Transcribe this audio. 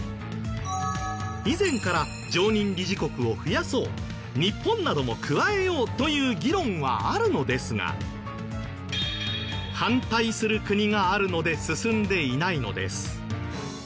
以前から「常任理事国を増やそう」「日本なども加えよう」という議論はあるのですが反対する国があるので進んでいないのです。